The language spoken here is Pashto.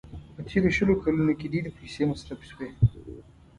په تېرو شلو کلونو کې ډېرې پيسې مصرف شوې.